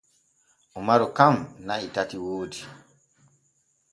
Umaru kan na’i tati woodi.